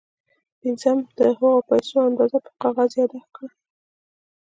پنځم د هغو پيسو اندازه پر کاغذ ياداښت کړئ.